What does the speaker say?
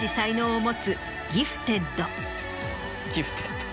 ギフテッド！